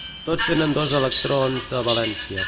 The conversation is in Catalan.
Tots tenen dos electrons de valència.